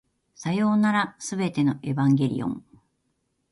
さようなら、全てのエヴァンゲリオン